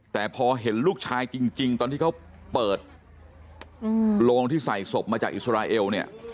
แต่พอเห็นลูกชายจริงตอนที่เขาเปิดโรงที่ใส่ศพมาจากอิสราเอลเนี่ย